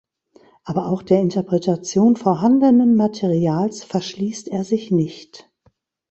Aber auch der Interpretation vorhandenen Materials verschließt er sich nicht.